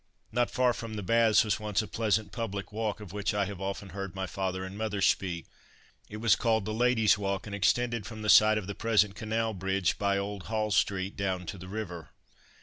Not far from the baths was once a pleasant public walk of which I have often heard my father and mother speak. It was called the "Ladies Walk," and extended from the site of the present Canal bridge by Old Hall street, down to the river.